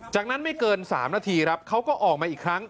จากนั้นไม่เกิน๓นาทีครับเขาก็ออกมาอีกครั้ง